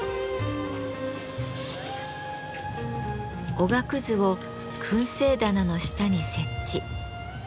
おがくずを燻製棚の下に設置。